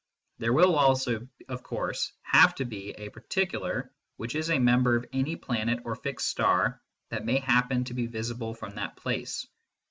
There will also, of course, have to be a particular which is a member of any planet or fixed star that may happen to be visible from that place.